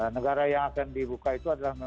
negara yang akan dibuka itu adalah